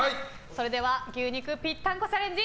それでは牛肉ぴったんこチャレンジ